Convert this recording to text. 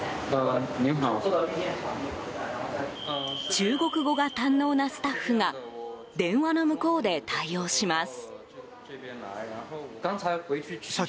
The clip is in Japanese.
中国語が堪能なスタッフが電話の向こうで対応します。